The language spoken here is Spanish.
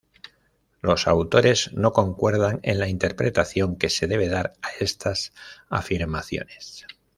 Los autores no concuerdan en la interpretación que se debe dar a estas afirmaciones.